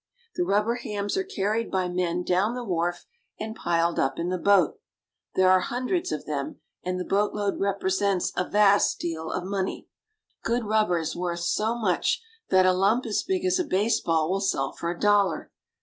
The rubber hams are carried by men down the wharf and piled up in the boat. There are hundreds of them, and the boatload represents a vast deal of money. Good rubber is worth so much that a lump as big as a baseball will sell for a dollar.